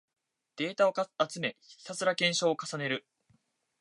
データを集め、ひたすら検証を重ねる